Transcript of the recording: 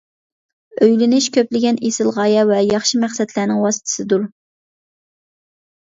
ئۆيلىنىش كۆپلىگەن ئېسىل غايە ۋە ياخشى مەقسەتلەرنىڭ ۋاسىتىسىدۇر.